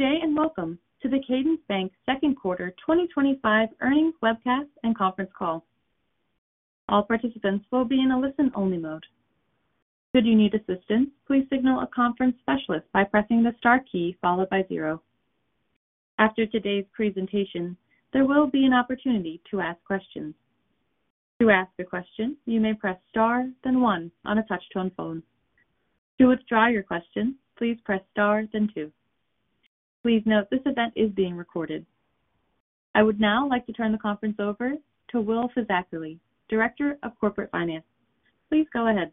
Good day and welcome to the Cadence Bank Second Quarter 2025 Earnings Webcast And Conference Call. All participants will be in a listen-only mode. Should you need assistance, please signal a conference specialist by pressing the star key followed by zero. After today's presentation, there will be an opportunity to ask questions. To ask a question, you may press star then one on a touchtone phone. To withdraw your question, please press star then two. Please note this event is being recorded. I would now like to turn the conference over to Will Fisackerly, Director of Corporate Finance. Please go ahead.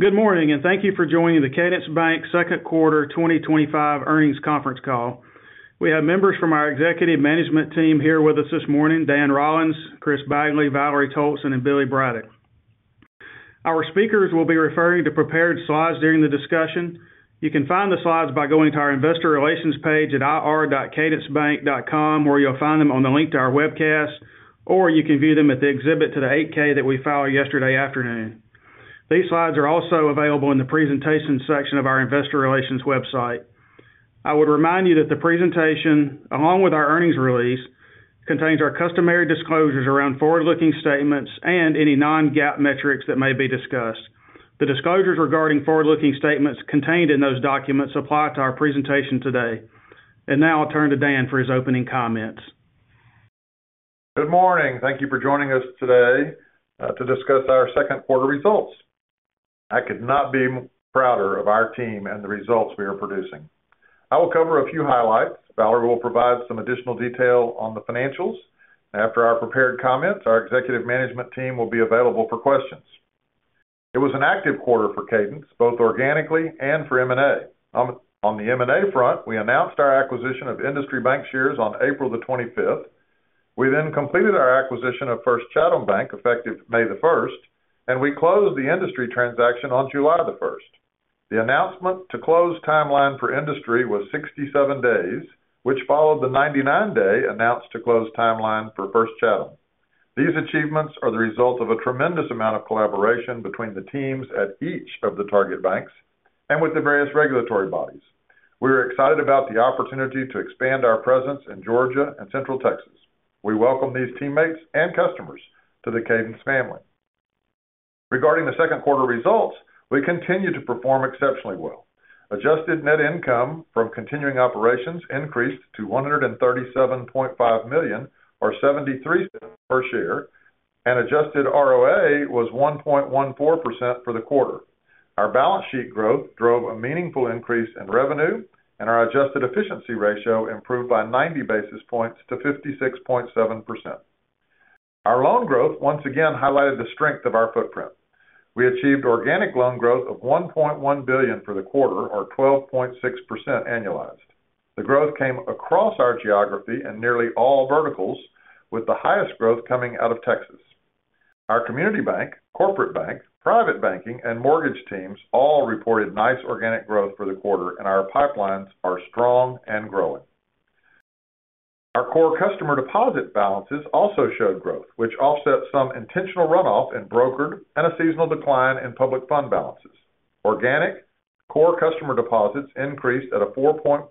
Good morning and thank you for joining the Cadence Bank Second Quarter 2025 Earnings Conference Call. We have members from our executive management team here with us this morning: Dan Rollins, Chris Bagley, Valerie Toalson, and Billy Braddock. Our speakers will be referring to prepared slides during the discussion. You can find the slides by going to our investor relations page at ir.cadencebank.com where you'll find them on the link to our webcast, or you can view them at the exhibit to the 8K that we filed yesterday afternoon. These slides are also available in the presentation section of our investor relations website. I would remind you that the presentation, along with our earnings release, contains our customary disclosures around forward-looking statements and any non-GAAP metrics that may be discussed. The disclosures regarding forward-looking statements contained in those documents apply to our presentation today. Now I'll turn to Dan for his opening comments. Good morning. Thank you for joining us today to discuss our second quarter results. I could not be prouder of our team and the results we are producing. I will cover a few highlights. Valerie will provide some additional detail on the financials after our prepared comments. Our Executive Management Team will be available for questions. It was an active quarter for Cadence Bank both organically and for M&A. On the M&A front, we announced our acquisition of Industry Bancshares on April 25. We then completed our acquisition of First Chatham Bank effective May 1, and we closed the Industry transaction on July 1. The announcement to close timeline for Industry was 67 days, which followed the 99-day announcement to close timeline for First Chatham. These achievements are the result of a tremendous amount of collaboration between the teams at each of the target banks and with the various regulatory bodies. We are excited about the opportunity to expand our presence in Georgia and Central Texas. We welcome these teammates and customers to the Cadence family. Regarding the second quarter results, we continue to perform exceptionally well. Adjusted net income from continuing operations increased to $137.5 million or $0.73 per share, and adjusted ROA was 1.14% for the quarter. Our balance sheet growth drove a meaningful increase in revenue, and our adjusted efficiency ratio improved by 90 basis points to 56.7%. Our loan growth once again highlighted the strength of our footprint. We achieved organic loan growth of $1.1 billion for the quarter, or 12.6% annualized. The growth came across our geography and nearly all verticals, with the highest growth coming out of Texas. Our Community Bank, Corporate Bank, Private Banking, and Mortgage teams all reported nice organic growth for the quarter, and our pipelines are strong and growing. Our core customer deposit balances also showed growth, which offset some intentional runoff in brokered and a seasonal decline in public fund balances. Organic core customer deposits increased at a 4.4%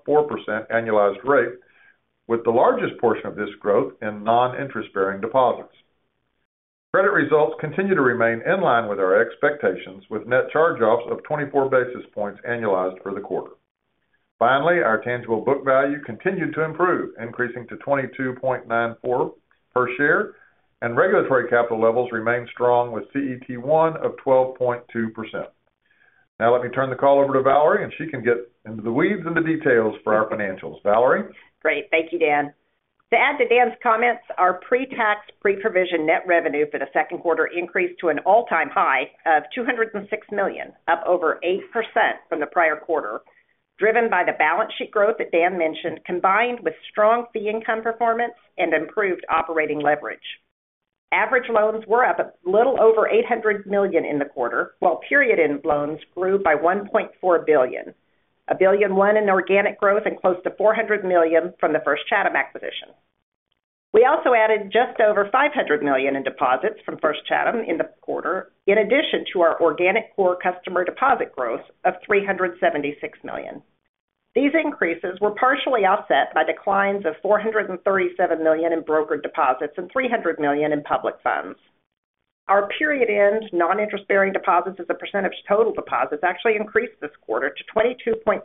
annualized rate, with the largest portion of this growth in non-interest-bearing deposits. Credit results continue to remain in line with our expectations, with net charge-offs of 24 basis points annualized for the quarter. Finally, our tangible book value continued to improve, increasing to $22.94 per share, and regulatory capital levels remain strong with CET1 of 12.2%. Now let me turn the call over to Valerie, and she can get into the weeds and the details for our financials. Great. Thank you, Dan. To add to Dan's comments, our pre-tax pre-provision net revenue for the second quarter increased to an all-time high of $206 million, up over 8% from the prior quarter, driven by the balance sheet growth that Dan mentioned, combined with strong fee income performance and improved operating leverage. Average loans were up a little over $800 million in the quarter, while period-end loans grew by $1.4 billion, $1 billion in organic growth and close to $400 million from the First Chatham Bank acquisition. We also added just over $500 million in deposits from First Chatham Bank in the quarter, in addition to our organic core customer deposit growth of $376 million. These increases were partially offset by declines of $437 million in brokered deposits and $300 million in public funds. Our period-end non-interest-bearing deposits as a percentage of total deposits actually increased this quarter to 22.6%.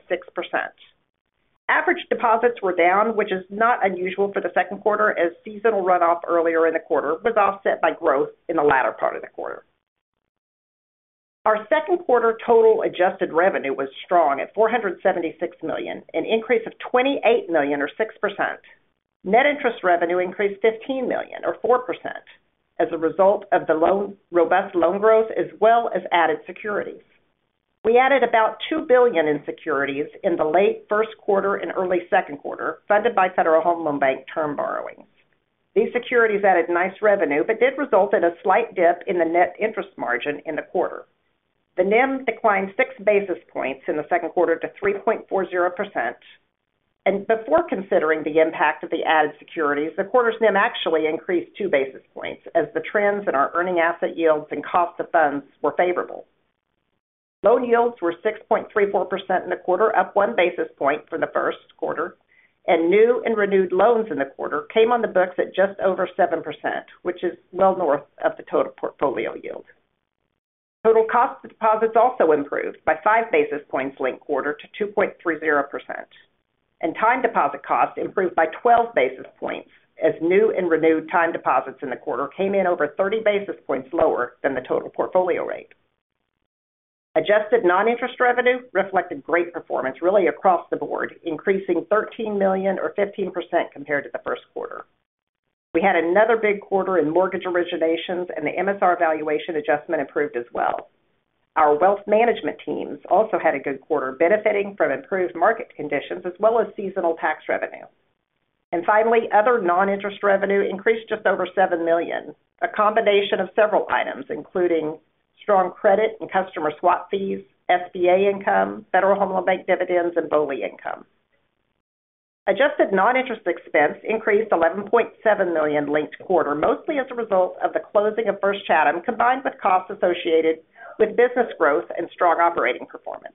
Average deposits were down, which is not unusual for the second quarter, as seasonal runoff earlier in the quarter was offset by growth in the latter part of the quarter. Our second quarter total adjusted revenue was strong at $476 million, an increase of $28 million or 6%. Net interest revenue increased $15 million or 4% as a result of the robust loan growth as well as added securities. We added about $2 billion in securities in the late first quarter and early second quarter, funded by Federal Home Loan Bank term borrowings. These securities added nice revenue but did result in a slight dip in the net interest margin in the quarter. The NIM declined 6 basis points in the second quarter to 3.40%, and before considering the impact of the added securities, the quarter's NIM actually increased two basis points as the trends in our earning asset yields and cost of funds were favorable. Loan yields were 6.34% in the quarter, up 1 basis point from the first quarter, and new and renewed loans in the quarter came on the books at just over 7%, which is well north of the total portfolio yield. Total cost of deposits also improved by 5 basis points linked quarter to 2.30%, and time deposit cost improved by 12 basis points as new and renewed time deposits in the quarter came in over 30 basis points lower than the total portfolio rate. Adjusted non-interest revenue reflected great performance really across the board, increasing $13 million or 15% compared to the first quarter. We had another big quarter in mortgage originations and the MSR valuation adjustment improved as well. Our wealth management teams also had a good quarter, benefiting from improved market conditions as well as seasonal tax revenue, and finally, other non-interest revenue increased just over $7 million, a combination of several items including Strong Credit and Customer Swap Fees, SBA income, Federal Home Loan Bank dividends, and BOLI income. Adjusted non-interest expense increased $11.7 million linked quarter, mostly as a result of the closing of First Chatham Bank combined with costs associated with business growth and strong operating performance.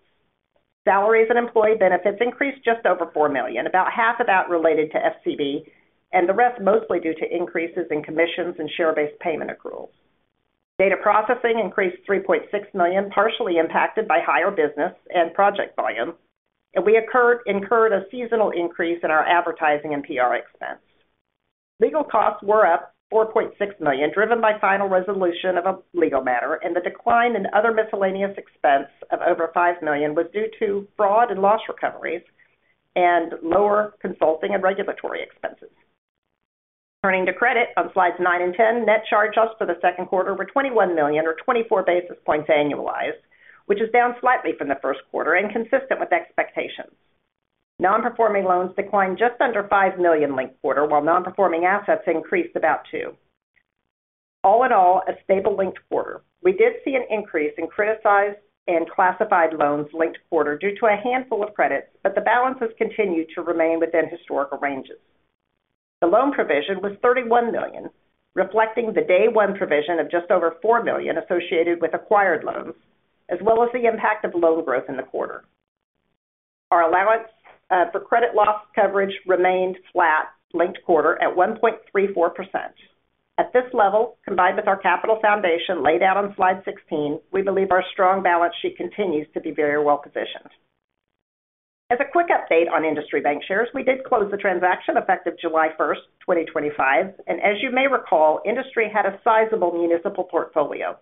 Salaries and employee benefits increased just over $4 million, about half of that related to First Chatham Bank and the rest mostly due to increases in commissions and share-based payment accruals. Data processing increased $3.6 million, partially impacted by higher business and project volume, and we incurred a seasonal increase in our advertising and PR expense. Legal costs were up $4.6 million, driven by final resolution of a legal matter, and the decline in other miscellaneous expense of over $5 million was due to fraud and loss recoveries and lower consulting and regulatory expenses. Turning to credit on slides nine and 10, net charge-offs for the second quarter were $21 million or 24 basis points annualized, which is down slightly from the first quarter and consistent with expectations. Nonperforming loans declined just under $5 million linked quarter, while nonperforming assets increased about $2 million. All in all, a stable linked quarter. We did see an increase in criticized and classified loans linked quarter due to a handful of credits, but the balances continue to remain within historical ranges. The loan provision was $31 million, reflecting the day one provision of just over $4 million associated with acquired loans as well as the impact of loan growth in the quarter. Our allowance for credit losses coverage remained flat linked quarter at 1.34%. At this level, combined with our capital foundation laid out on Slide 16, we believe our strong balance sheet continues to be very well positioned. As a quick update on Industry Bancshares, we did close the transaction effective July 1, 2025, and as you may recall, Industry Bancshares had a sizable municipal securities portfolio.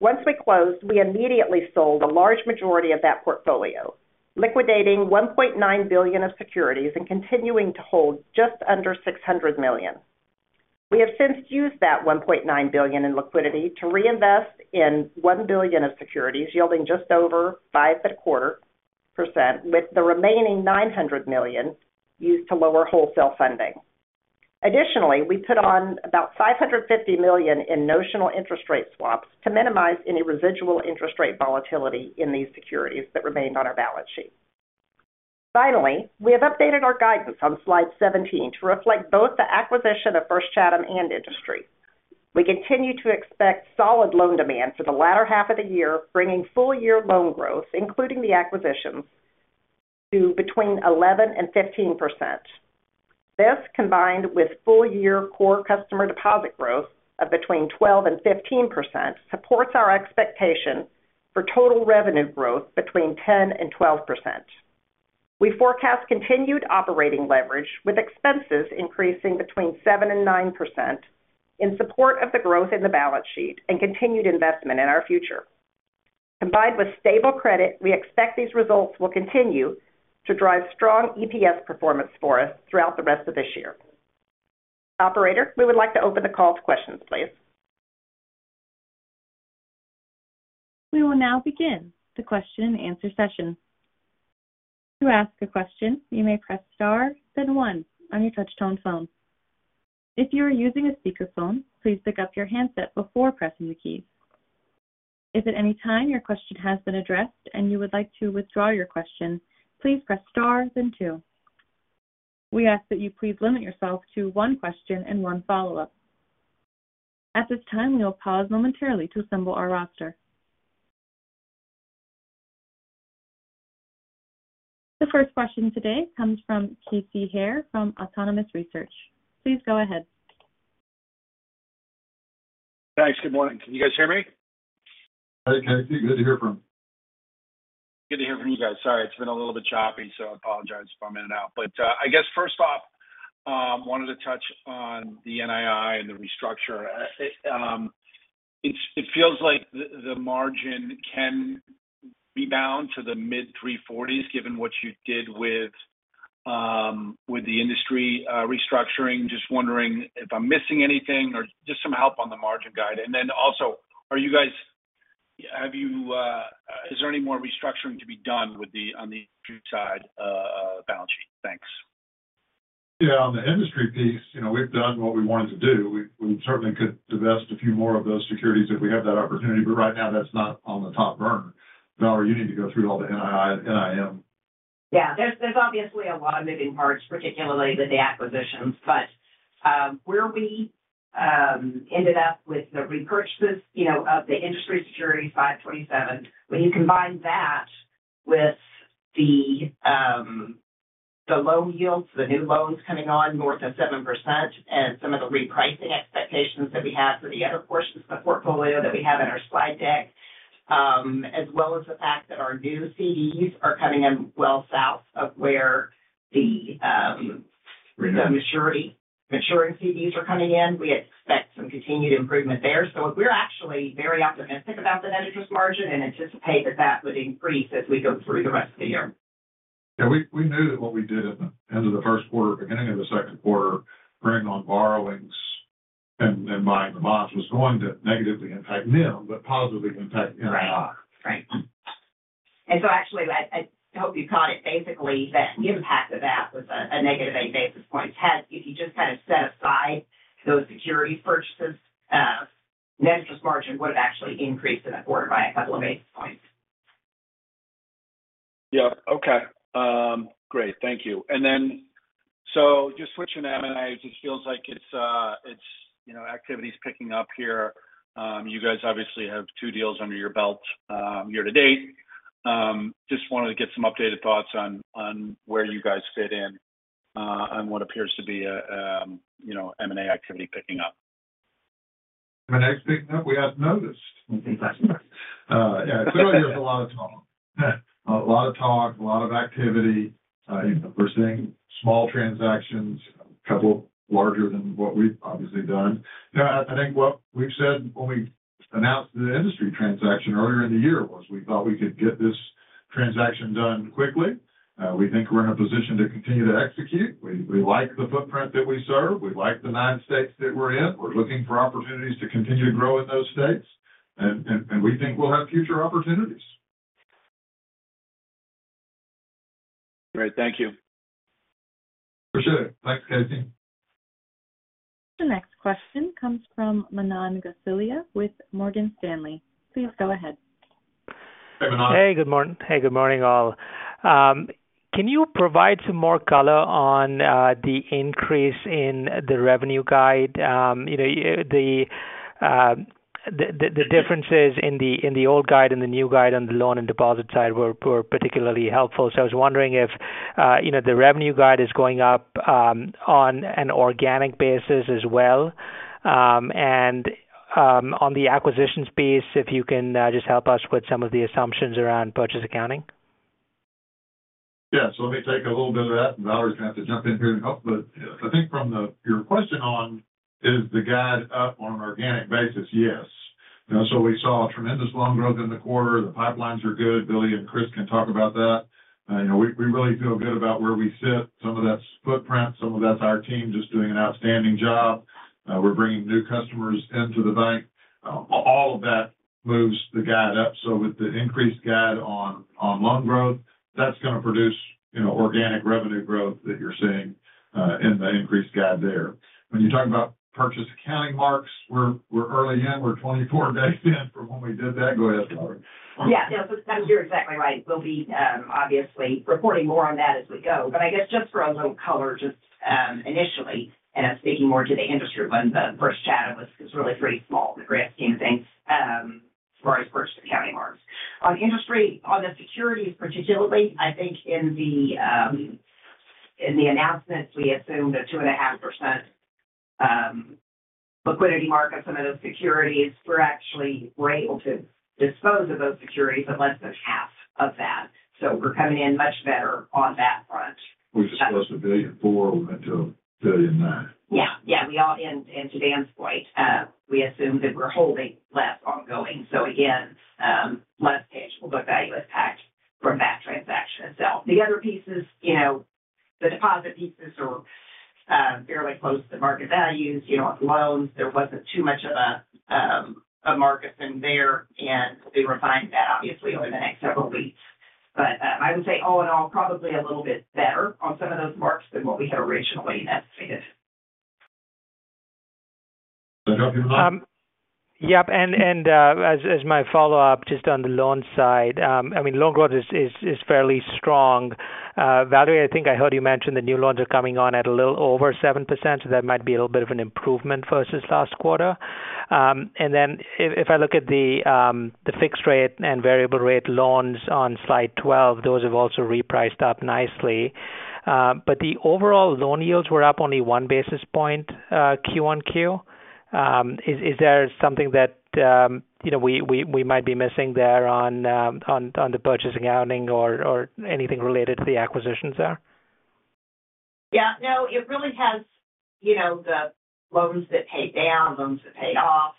Once we closed, we immediately sold a large majority of that portfolio, liquidating $1.9 billion of securities and continuing to hold just under $600 million. We have since used that $1.9 billion in liquidity to reinvest in $1 billion of securities yielding just over 5.25% with the remaining $900 million used to lower wholesale funding. Additionally, we put on about $550 million in notional interest rate swaps to minimize volatility in these securities that remained on our balance sheet. Finally, we have updated our guidance on Slide 17 to reflect both the acquisition of First Chatham Bank and Industry. We continue to expect solid loan demand for the latter half of the year, bringing full year loan growth, including the acquisitions, to between 11% and 15%. This, combined with full year core customer deposit growth of between 12% and 15%, supports our expectation for total revenue growth between 10% and 12%. We forecast continued operating leverage with expenses increasing between 7% and 9%. In support of the growth in the balance sheet and continued investment in our future combined with stable credit, we expect these results will continue to drive strong EPS performance for us throughout the rest of this year. Operator, we would like to open the call to questions please. We will now begin the question and answer session. To ask a question, you may press star then one on your touchtone phone. If you are using a speakerphone, please pick up your handset before pressing the keys. If at any time your question has been addressed and you would like to withdraw your question, please press star then two. We ask that you please limit yourself to one question and one follow up. At this time, we will pause momentarily to assemble our roster. The first question today comes from Casey Hare from Autonomous Research. Please go ahead. Thanks. Good morning. Can you guys hear me okay? Good to hear from you. Good to hear from you guys. Sorry it's been a little bit choppy, so I apologize if I'm in and out. I guess first off, wanted to touch on the NII and the restructure. It feels like the margin can be down to the mid-340s. Given what you did with the industry restructuring, just wondering if I'm missing anything or just some help on the margin guide. Also, are you guys, have you, is there any more restructuring to be done on the side balance sheet? Thanks. Yeah, on the Industry piece, you know, we've done what we wanted to do. We certainly could divest a few more of those securities if we have that opportunity. Right now that's not on the top burner. Valerie, you need to go through all the NIM. Yeah, there's obviously a lot of moving parts, particularly with the acquisitions. Where we ended up with the repurchases, you know, of the industry securities $527 million. When you combine that with the low yields, the new loans coming on north of 7% and some of the repricing expectations that we have for the other portions of the portfolio that we have in our slide deck, as well as the fact that our new CDs are coming in well south of where the maturing CDs are coming in, we expect some continued improvement there. We're actually very optimistic about the net interest margin and anticipate that that would increase as we go through the rest of the year. Yeah, we knew that what we did at the end of the first quarter, beginning of the second quarter, bringing on borrowings and buying the bonds was going to negatively impact NIM, but positively can take. Right. I hope you caught it, basically that the impact of that was a negative 8 basis points. If you just kind of set aside those securities purchases, net interest margin would have actually increased in a quarter by a couple of basis points. Okay, great. Thank you. Just switching to M&A, it feels like activity's picking up here. You guys obviously have two deals under your belt year to date. Just wanted to get some updated thoughts on where you guys fit in on what appears to be M&A. Activity picking up, M&A picking up. We haven't noticed. There's a lot of talk, a lot of activity. We're seeing small transactions, a couple larger than what we've obviously done. I think what we've said when we announced the Industry transaction earlier in the year was we thought we could get this transaction done quickly. We think we're in a position to continue to execute. We like the footprint that we serve. We like the nine states that we're in. We're looking for opportunities to continue to grow in those states. We think we'll have future opportunities. Great. Thank you. For sure. Thanks, Casey. The next question comes from Manan Gosalia with Morgan Stanley. Please go ahead. Good morning. Can you provide some more color on the increase in the revenue guide? The differences in the old guide and the new guide on the loan and deposit side were particularly helpful. I was wondering if the revenue guide is going up on an organic basis as well. On the acquisitions piece, if you can just help us with some of the assumptions around purchase accounting. Yes, let me take a little bit of that. Valerie's going to have to jump in here and help. I think from your question on, is the guide-up on an organic basis? Yes. We saw tremendous loan growth in the quarter. The pipelines are good. Billy and Chris can talk about that. We really feel good about where we sit. Some of that's footprint, some of that's our team just doing an outstanding job. We're bringing new customers into the bank. All of that moves the guide up. With the increased guide on loan growth that's going to produce organic revenue growth that you're seeing in the increased guide there, when you talk about purchase accounting marks, we're early in. We're 24 days in from when we did that. Go ahead. Yeah, you're exactly right. We'll be obviously reporting more on that as we go. Just for a little color, just initially, and I'm speaking more to the industry when the First Chatham was really pretty small in the grand scheme of things, where I approached accounting marks on Industry. On the securities particularly, I think in the announcements, we assumed a 2.5% liquidity mark of some of those securities. We're actually able to dispose of those securities at less than half of that. We're coming in much better on that front. We discussed $1.4 billion into $1.9 billion. Yeah, we all end. To Dan's point, we assume that we're holding less ongoing, so again, less tangible book value impact from that transaction itself. The other pieces, the deposit pieces are fairly close to market values. Loans, there wasn't too much of a market in there. We refined that obviously over the next several weeks. I would say, all in all, probably a little bit better on some of those marks than what we had originally estimated. Yep. As my follow up, just on the loan side, I mean, loan growth is fairly strong. Valerie, I think I heard you mention the new loans are coming on at a little over 7%. That might be a little bit of an improvement versus last quarter. If I look at the fixed rate and variable rate loans on slide 12, those have also repriced up nicely. The overall loan yields were up only 1 basis point, Q on Q. Is there something that we might be missing there on the purchase accounting or anything related to the acquisitions there? Yeah, no, it really has. The loans that paid down, loans that paid off,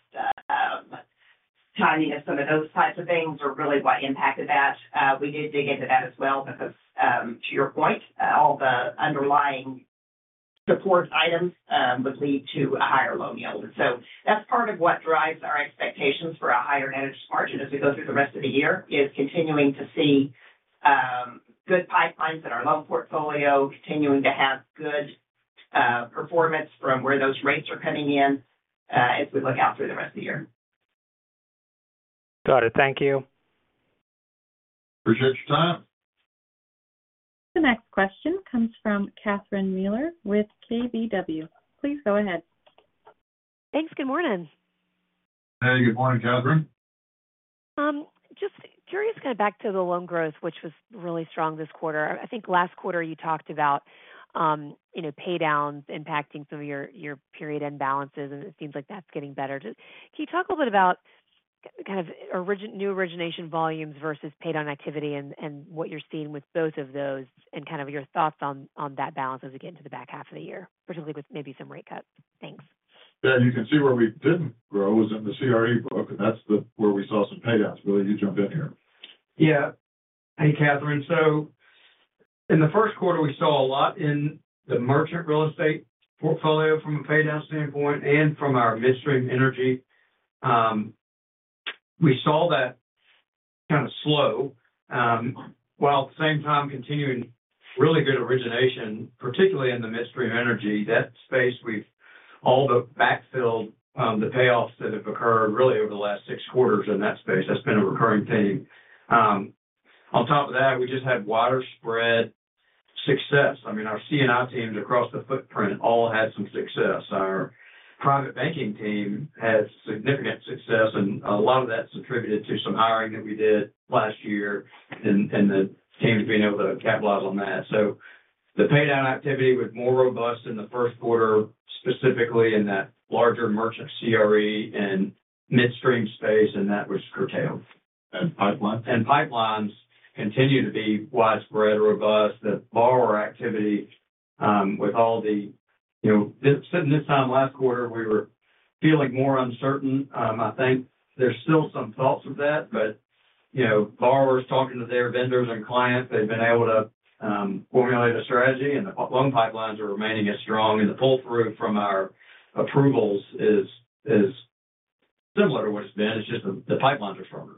timing of some of those types of things are really what impacted that. We did dig into that as well because to your point, all the underlying support items would lead to a higher loan yield. That's part of what drives our expectations for a higher managed margin as we go through the rest of the year, continuing to see good pipelines in our loan portfolio and continuing to have good performance from where those rates are coming in as we look out through the rest of the year. Got it. Thank you. Appreciate your time. The next question comes from Kathryn Mueller with KBW. Please go ahead. Thanks. Good morning. Hey, good morning, Kathryn. Just curious, kind of back to the loan growth which was really strong this quarter. I think last quarter you talked about pay downs impacting some of your period end balances, and it seems like that's getting better. Can you talk a little bit about kind of original new origination volumes versus paid on activity and what you're seeing with both of those, and your thoughts on that balance as we get into the back half of the year, particularly with maybe some rate cuts. Thanks. Yeah. You can see where we didn't grow was in the CRE book, and that's where we saw some payouts. Will you jump in here? Yeah. Hey, Catherine. In the first quarter, we saw a lot in the merchant real estate portfolio from a pay-down standpoint, and from our midstream energy, we saw that kind of slow while at the same time continuing really good origination, particularly in the midstream energy. That space, we've backfilled the payoffs that have occurred really over the last six quarters in that space. That's been a recurring theme. On top of that, we just had broader spread success. I mean, our C&I teams across the footprint all had some success. Our private banking team has significant success, and a lot of that is attributed to some hiring that we did last year and the teams being able to capitalize on that. The pay down activity was more robust in the first quarter, specifically in that larger merchant CRE and midstream space. That was curtailed, and pipelines continue to be broad, robust borrower activity. This time last quarter, we were feeling more uncertain. I think there's still some thoughts of that. Borrowers talking to their vendors and clients, they've been able to formulate a strategy, and the loan pipelines are remaining as strong, and the pull through from our approvals is similar to what it's been. It's just the pipelines are stronger.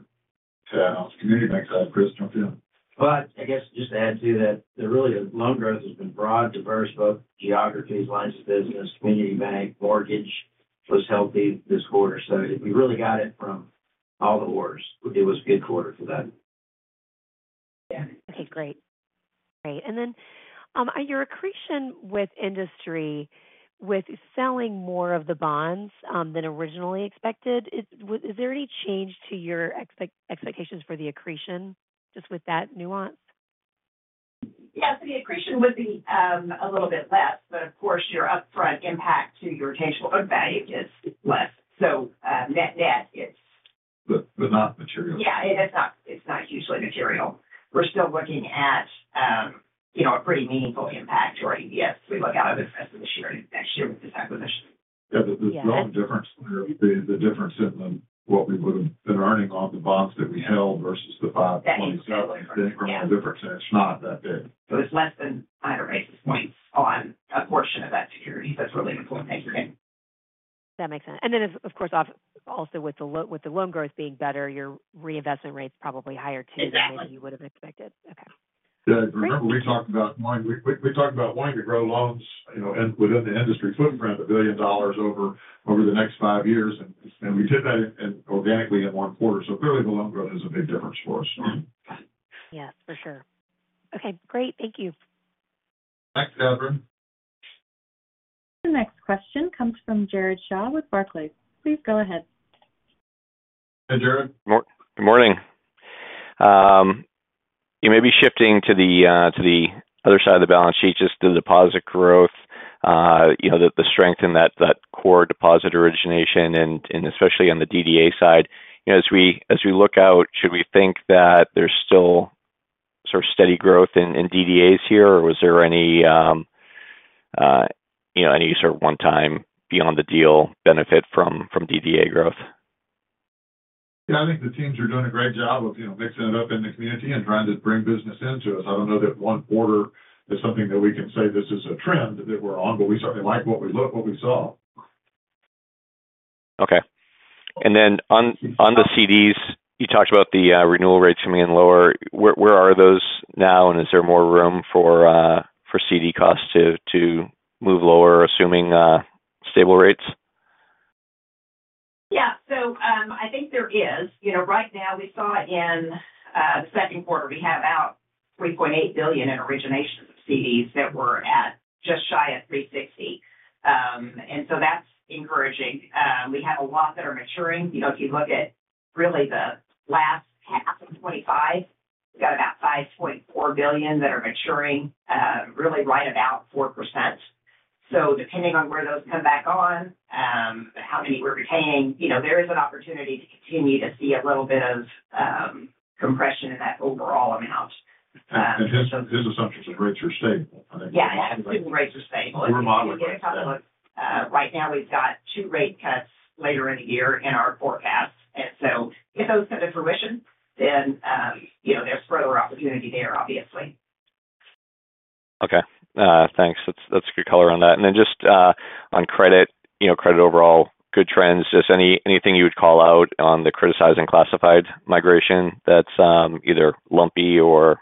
Community bank side, Chris jumped in. Just to add to that, loan growth has been broad, diverse, by geographies and lines of business. Community banking mortgage was healthy this quarter. We really got it from all the orders. It was a good quarter for that. Okay, great. Your accretion with Industry, with selling more of the bonds than originally expected, is there any change to your expectations for the accretion just with that nuance? Yes, the accretion would be a little bit less, but of course, your upfront impact to your tangible book value is less. Net is. Not material. Yeah, it's not. It's not hugely material. We're still looking at, you know, a pretty meaningful impact to our EPS as we look out at the rest of this year, next year with this acquisition. Yeah, there's no difference. The difference in what we would have been earning on the bonds that we held versus the 5% difference, and it's not that big. It is less than 100 basis points on a portion of that security. That is really important. Thank you. That makes sense. With the loan growth being better, your reinvestment rate's probably higher too, than you would have expected. Okay. We talked about wanting to grow loans, you know, within the industry footprint. A billion dollars over the next five years. We did that organically in one quarter. Clearly the loan growth is a big difference for us. Yes, for sure. Okay, great. Thank you. Thanks, Evelyn. The next question comes from Jared Shah with Barclays. Please go ahead. Hey, Jared. Good morning. You may be shifting to the other side of the balance sheet. Just the deposit growth, the strength in that core deposit origination, especially on the DDA side. As we look out, should we think that there's still sort of steady growth in DDAs here, or was there any one-time beyond the deal benefit from DDA growth? Yeah, I think the teams are doing a great job of, you know, mixing it up in the community and trying to bring business into us. I don't know that one quarter is something that we can say this is a trend that we're on. We certainly like what we saw. Okay. On the CDs, you talked about the renewal rates coming in lower. Where are those now? Is there more room for CD costs to move lower, assuming stable rates? Yeah, I think there is. Right now we saw in the second quarter we have out $3.8 billion in originations of CDs that were at just shy of 3.60%. That's encouraging. We have a lot that are maturing. If you look at really the last half of 2025, we've got about $5.4 billion that are maturing, really right about 4%. Depending on where those come back on how many we're retaining, there is an opportunity to continue to see a little bit of compression in that overall amount. His assumptions of rates are stable. Right now we've got two rate cuts later in the year in our forecast. If those come to fruition, then there's further opportunity there obviously. Okay, thanks. That's good color on that. Just on credit, you know, credit overall, good trends. Is there anything you would call out on the criticized and classified migration that's either lumpy or episodic?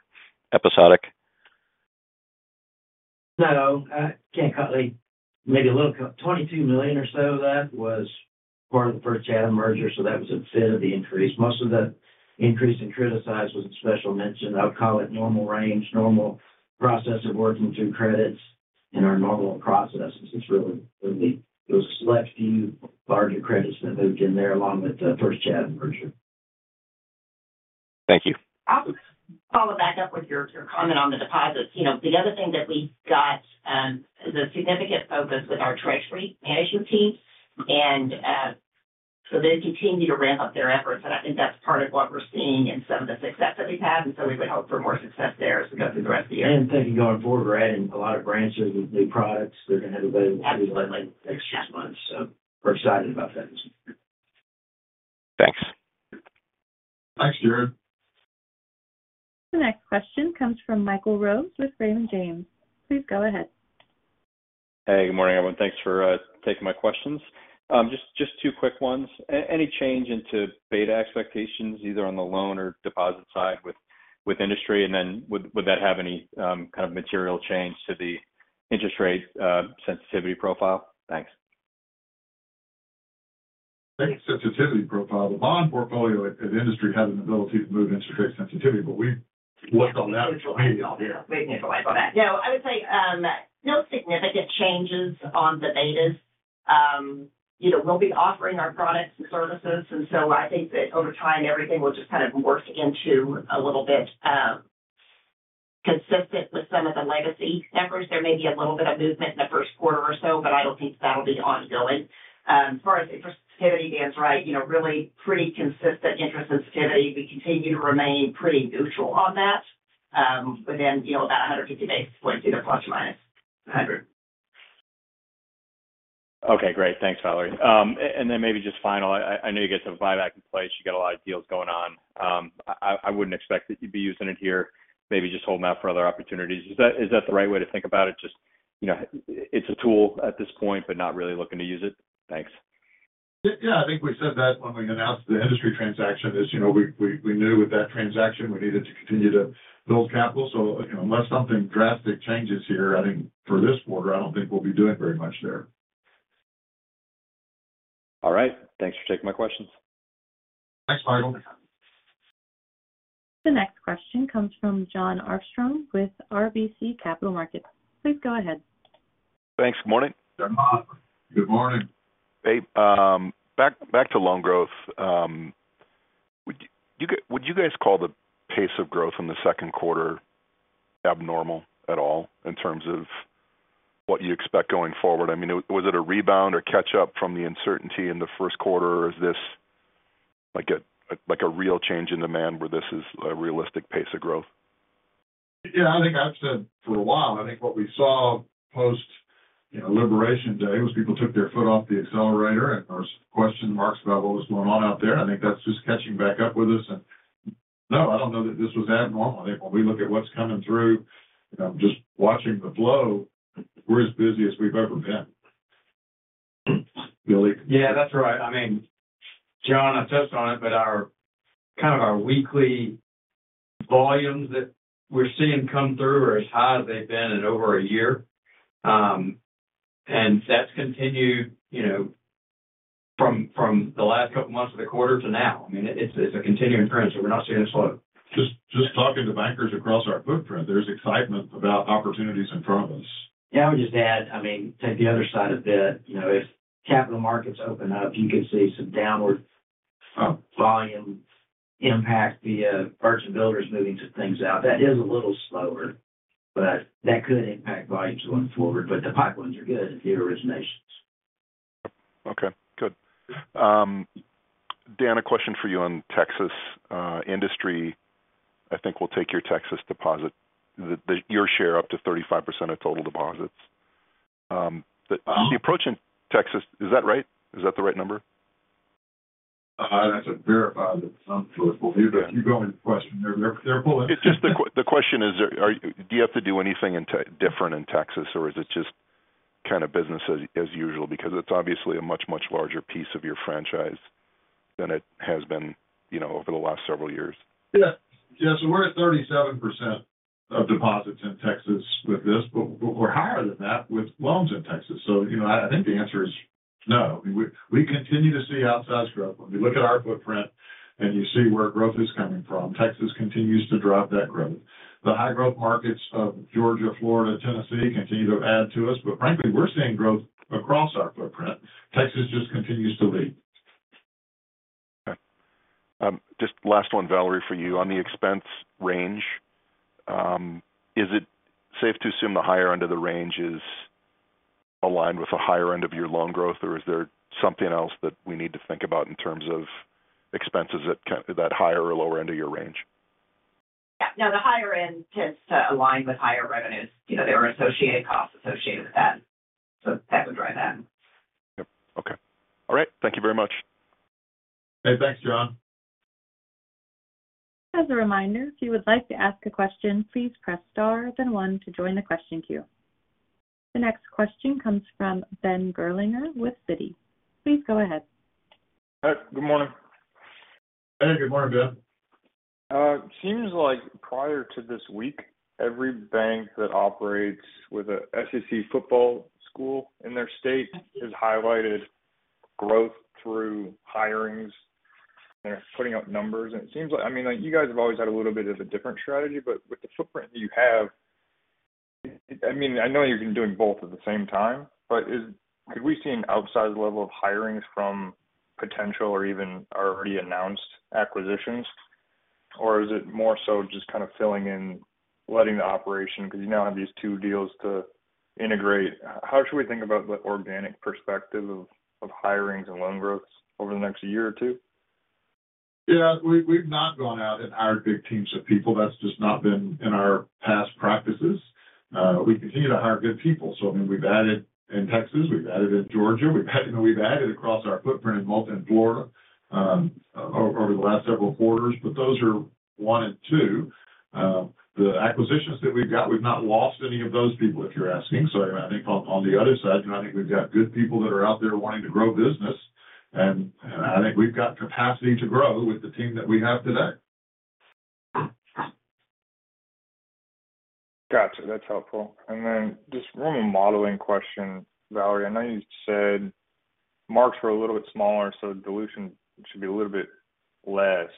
No. Maybe a little $22 million or so that was part of the First Chatham Bank merger. That was a fit of the increase. Most of the increase in criticized was a special mention. I would call it normal range, normal process of working through credits. In our normal process, it's really those select few larger credits that moved in there along with First Chatham and Berkshire. Thank you. I'll follow back up with your comment on the deposits. The other thing that we got significant focus with our Treasury Management team, and so they continue to ramp up their efforts, and I think that's part of what we're seeing in some of the success that we've had. We would hope for more success there as we go through the rest of the year. Thank you. Going forward, we're adding a lot of grants with new products. They're going to have to like next 10 months. We're excited about that. Thanks. Thanks, Jared. The next question comes from Michael Rose with Raymond James. Please go ahead. Hey, good morning everyone. Thanks for taking my questions. Just two quick ones. Any change in beta expectations either on the loan or deposit side with Industry, and then would that have any kind of material change to the interest rate sensitivity profile? Thanks. Sensitivity profile. The bond portfolio in Industry Bancshares has an ability to move interest rate sensitivity, but we. No, I would say no significant changes on the betas. We'll be offering our products and services, and I think that over time everything will just kind of morph into a little bit consistent with some of the legacy efforts. There may be a little bit of movement in the first quarter or so, but I don't think that'll be ongoing. As far as interest sensitivity, Dan's right. Really pretty consistent interest sensitivity. We continue to remain pretty neutral on that within about 150 basis points, either. Plus or minus 100. Okay, great. Thanks, Valerie. Maybe just final, I know you guys have a buyback in place. You got a lot of deals going on. I wouldn't expect that you'd be using it here, maybe just holding out for other opportunities. Is that the right way to think about it? It's a tool at this point, but not really looking to use it. Thanks. I think we said that when we announced the Industry Bancshares transaction, you know, we knew with that transaction we needed to continue to build capital. Unless something drastic changes here, I think for this quarter, I don't think we'll be doing very much there. All right, thanks for taking my questions. Thanks, Michael. The next question comes from Jon Arfstrom with RBC Capital Markets. Please go ahead. Thanks. Good morning. Good morning. Back to loan growth. Would you guys call the pace of growth in the second quarter abnormal at all in terms of what you expect going forward? I mean, was it a rebound or catch up from the uncertainty in the first quarter, or is this like a real change in demand where this is a realistic pace of growth? Yeah, I think I've said for a while I think what we saw post Liberation Day was people took their foot off the accelerator, and there's question marks about what was going on out there. I think that's just catching back up with us. No, I don't know that this was abnormal. I think when we look at what's coming through, just watching the flow, we're as busy as we've ever been. Yeah, that's right. I mean, Jon, I touched on it, but our kind of our weekly volumes that we're seeing come through are as high as they've been in over a year, and that's continued from the last couple months of the quarter to now. I mean, it's a continuing trend. We're not seeing a slope. Just talking to bankers across our footprint, there's excitement about opportunities in front of us. Yeah. I would just add, I mean, take the other side a bit. You know, if capital markets open up, you could see some downward volume impact via merchant builders moving some things out. That is a little slower, that could impact volumes going forward. The pipelines are good if you're originations. Okay, good. Dan, a question for you on Texas Industry, I think will take your Texas deposit share up to 35% of total deposits. The approach in Texas. Is that right? Is that the right number? That's a verify that some believe you go into question. The question is, do you have to do anything different in Texas, or is it just kind of business as usual? It's obviously a much, much larger piece of your franchise than it has been over the last several years. Yeah, yeah. We're at 37% of deposits in Texas with this, but we're higher than that with loans in Texas. I think the answer is no. We continue to see outside scrub. When you look at our footprint and you see where growth is coming from, Texas continues to drive that growth. The high growth markets of Georgia, Florida, Tennessee continue to add to us. Frankly, we're seeing growth across our footprint. Texas just continues to lead. Just last one, Valerie, for you on the expense range, is it safe to assume the higher end of the range is aligned with the higher end of your loan growth, or is there something else that we need to think about in terms of expenses? That higher or lower end of your range? Now the higher end tends to align with higher revenues. There are costs associated with that. That would drive that. Okay. All right. Thank you very much. Thanks, Jon. As a reminder, if you would like to ask a question, please press Star then one to join the question queue. The next question comes from Ben Gerlinger with Citi. Please go ahead. Good morning. Hey, good morning, Ben. Prior to this week, every bank that operates with a SEC football school in their state has highlighted growth through hirings. They're putting out numbers and it seems like you guys have always had a little bit of a different strategy, but with the footprint you have, I know you're doing both at the same time. Have we seen outsized level of hirings from potential or even already announced acquisitions? Or is it more so just kind of filling in, letting the operation, because you now have these two deals to integrate? How should we think about the organic perspective of hirings and loan growth over the next year or two? Yeah, we've not gone out and hired big teams of people. That's just not been in our past practices. We continue to hire good people. I mean, we've added in Texas, we've added in Georgia, we've added across our footprint in multi and Florida over the last several quarters. Those are one and two, the acquisitions that we've got. We've not lost any of those people, if you're asking. I think on the other side, I think we've got good people that are out there wanting to grow business and I think we've got capacity to grow with the team that we have today. Gotcha. That's helpful. Just one more modeling question, Valerie. I know you said marks were a little bit smaller, so dilution should be a little bit less.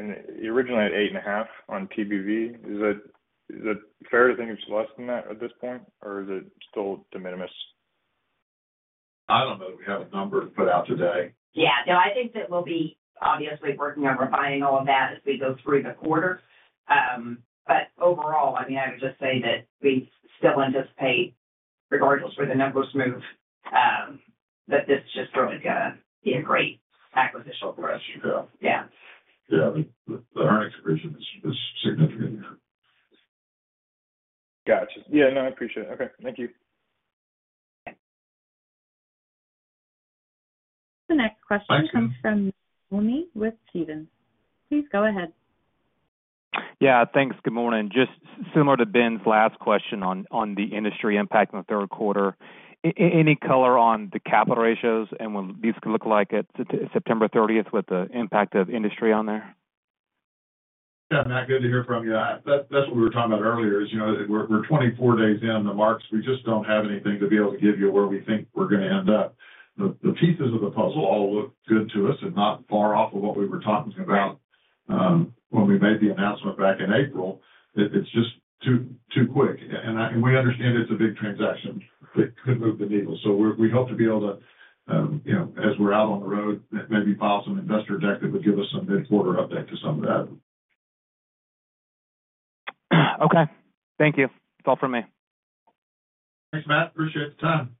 Originally at 8.5% on tangible book value, is it fair to think it's less than that at this point or is it still de minimis? I don't know that we have a number put out today. Yeah, no, I think that we'll be obviously working on refining all of that as we go through the quarter. Overall, I would just say that we still anticipate regardless where the numbers move, this is just really going to be a great acquisition for us. Yeah. The earnings provision is significant here. Gotcha. Yeah, no, I appreciate it. Okay, thank you. The next question comes from. Please go ahead. Yeah, thanks. Good morning. Just similar to Ben's last question on the industry impact in the third quarter, any color on the capital ratios and when these could look like at September 30th with the impact of Industry on there. Yeah, good to hear from you. That's what we were talking about earlier, you know, we're 24 days in the marks. We just don't have anything to be able to give you where we think we're going to end up. The pieces of the puzzle all look good to us and not far off of what we were talking about when we made the announcement back in April. It's just too quick and we understand it's a big transaction that could move the needle. We hope to be able to, you know, as we're out on the road, maybe file some investor deck that would give us some mid quarter update to some of that. Okay, thank you. That's all from me. Thanks, Matt. Appreciate the time.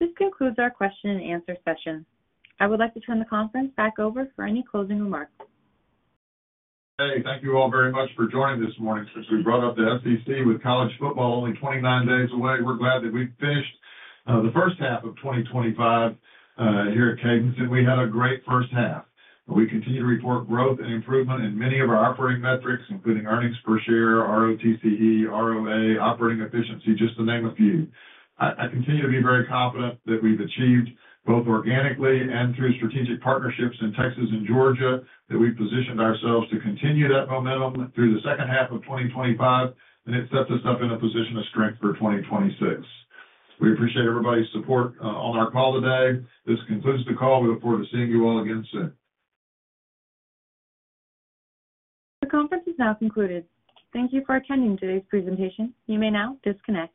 This concludes our question and answer session. I would like to turn the conference back over for any closing remarks. Hey, thank you all very much for joining this morning. Since we brought up the EPS, with college football only 29 days away, we're glad that we finished the first half of 2025 here at Cadence Bank, and we had a great first half. We continue to report growth and improvement in many of our operating metrics, including earnings per share, ROTCE, ROA, operating efficiency, just to name a few. I continue to be very confident that we've achieved, both organically and through strategic partnerships in Texas and Georgia, that we positioned ourselves to continue that momentum through the second half of 2025, and it sets us up in a position of strength for 2026. We appreciate everybody's support on our call today. This concludes the call. We look forward to seeing you all again soon. The conference is now concluded. Thank you for attending today's presentation. You may now disconnect.